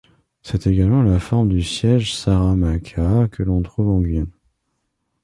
C'est également la forme du siège Saramaca que l'on trouve en Guyane.